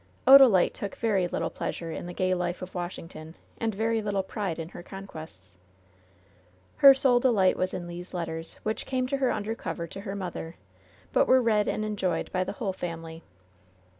Odalite took very little pleasure in the gay life of Washington, and very little pride in her conquests. Her sole delight was in Le's letters, which came to her under cover to her mother ; but were read and en joyed by the whole family.